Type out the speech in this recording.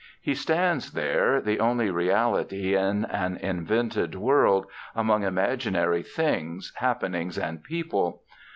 He stands there, the only reality in an invented world, among imaginary things, happenings, and people.